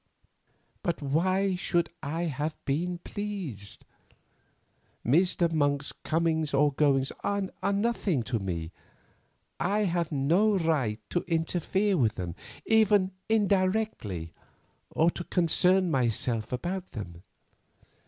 "But why should I have been pleased? Mr. Monk's comings or goings are nothing to me; I have no right to interfere with them, even indirectly, or to concern myself about them.